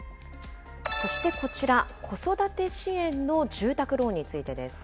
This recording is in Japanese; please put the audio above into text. そしてこちら、子育て支援の住宅ローンについてです。